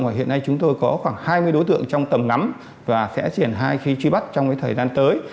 ngoài hiện nay chúng tôi có khoảng hai mươi đối tượng trong tầm năm và sẽ diễn hai khi truy bắt trong thời gian tới